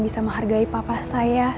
bisa menghargai papa saya